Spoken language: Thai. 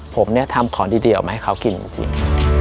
ผมทำของเดี๋ยวมาให้เขากินจริง